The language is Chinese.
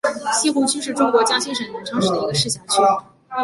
西湖区是中国江西省南昌市的一个市辖区。